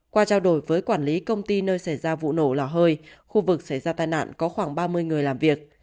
qua trao đổi với quản lý công ty nơi xảy ra vụ nổ lò hơi khu vực xảy ra tai nạn có khoảng ba mươi người làm việc